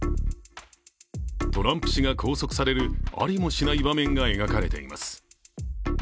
トランプ氏が拘束されるありもしない場面が描かれています。